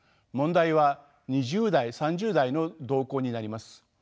問題は２０代３０代の動向になります。